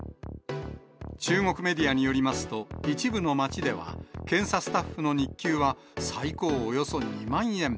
中国メディアによりますと、一部の町では、検査スタッフの日給は、最高およそ２万円。